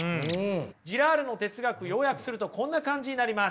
ジラールの哲学要約するとこんな感じになります。